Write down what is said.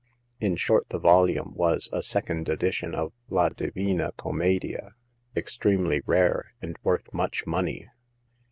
In short, the volume was a second edition of La Divina Commedia," extremely rare, and worth much money.